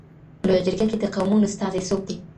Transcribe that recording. لویه جرګه کي د قومونو استازي څوک دي؟